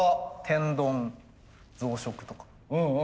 天丼増殖とか。